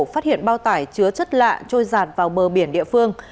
phát hiện bao tải chứa chất lạ trôi giạt vào bờ biển địa phương